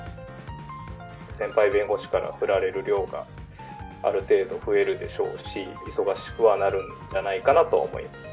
先輩弁護士から振られる量が、ある程度増えるでしょうし、忙しくはなるんじゃないかなと思います。